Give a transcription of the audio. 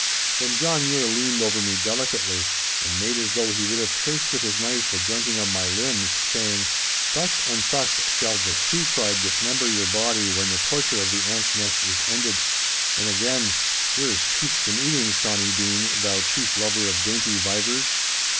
Then John Mure leaned over me delicately, and made as though he would have traced with his knife the jointing of my limbs, saying, 'Thus and thus shall the she tribe dismember your body when the torture of the ant's nest is ended.' And again 'Here is toothsome eating, Sawny Bean, thou chief lover of dainty vivers.